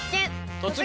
「突撃！